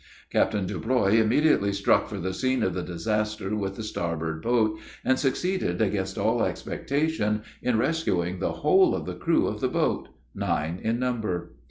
Captain Deblois immediately struck for the scene of the disaster with the starboard boat, and succeeded, against all expectation, in rescuing the whole of the crew of the boat nine in number!